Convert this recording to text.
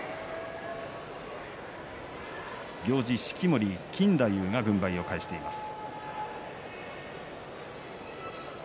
行司、式守錦太夫が軍配を返しています。